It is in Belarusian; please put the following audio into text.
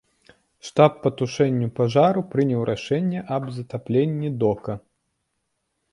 Штаб па тушэнню пажару прыняў рашэнне аб затапленні дока.